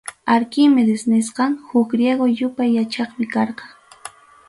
Arquímedes nisqam, huk Griego yupay yachaqmi karqa.